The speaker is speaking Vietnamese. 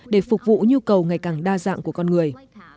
để phục vụ nhu cầu ngày càng đa dạng của con người